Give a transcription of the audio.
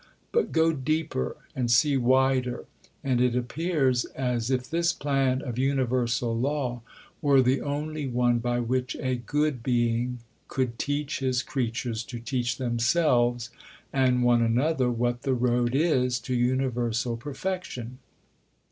But go deeper and see wider, and it appears as if this plan of universal law were the only one by which a good Being could teach His creatures to teach themselves and one another what the road is to universal perfection.